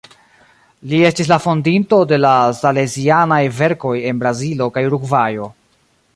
Li estis la fondinto de la salesianaj verkoj en Brazilo kaj Urugvajo.